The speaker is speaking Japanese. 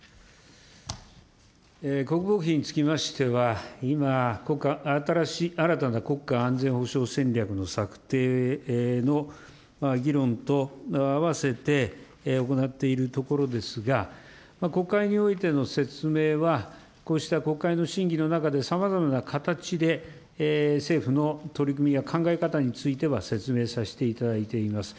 国防費につきましては、今、新たな国家安全保障戦略の策定の議論と併せて行っているところですが、国会においての説明は、こうした国会の審議の中でさまざまな形で政府の取り組みや考え方については説明させていただいています。